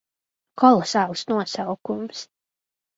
Kolosāls nosaukums.